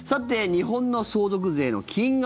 日本の相続税の金額